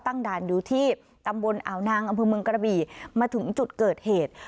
ด่านอยู่ที่ตำบลอ่าวนางอำเภอเมืองกระบี่มาถึงจุดเกิดเหตุ